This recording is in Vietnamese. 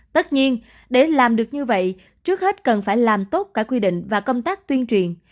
tất nhiên để làm được như vậy trước hết cần phải làm tốt cả quy định và công tác tuyên truyền